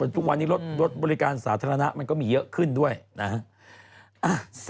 ทุกวันนี้รถบริการสาธารณะมันก็มีเยอะขึ้นด้วยนะฮะ